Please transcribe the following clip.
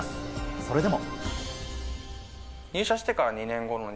それでも。